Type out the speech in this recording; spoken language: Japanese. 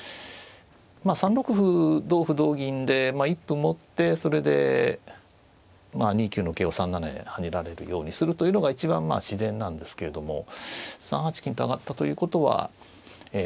まあ３六歩同歩同銀で一歩持ってそれでまあ２九の桂を３七へ跳ねられるようにするというのが一番まあ自然なんですけれども３八金と上がったということはええ